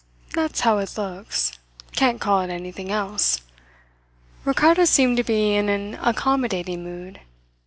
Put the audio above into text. "That's how it looks. Can't call it anything else." Ricardo seemed to be in an accommodating mood.